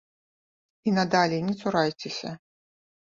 І надалей не цурайцеся.